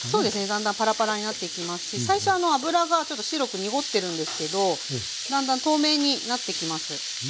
だんだんパラパラになっていきますし最初油がちょっと白く濁ってるんですけどだんだん透明になってきます。